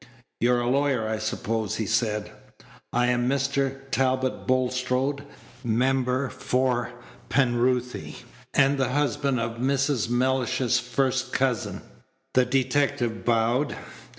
"You're a lawyer, I suppose?" he said. "I am Mr. Talbot Bulstrode, member for Penruthy, and the husband of Mrs. Mellish's first cousin." The detective bowed.